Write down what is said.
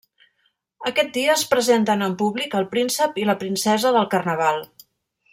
Aquest dia es presenten en públic el príncep i la princesa del carnaval.